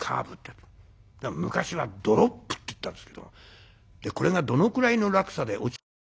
昔はドロップって言ったんですけどこれがどのくらいの落差で落ちたか。